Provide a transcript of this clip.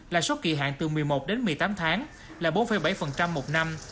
lãi suất kỳ hạn từ một mươi một đến một mươi tám tháng là bốn bảy một năm